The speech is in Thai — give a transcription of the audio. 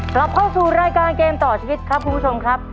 กลับเข้าสู่รายการเกมต่อชีวิตครับคุณผู้ชมครับ